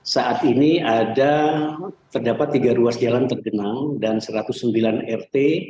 saat ini ada terdapat tiga ruas jalan tergenang dan satu ratus sembilan rt